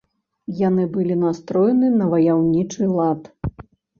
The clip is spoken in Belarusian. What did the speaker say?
Яны былі настроены на ваяўнічы лад.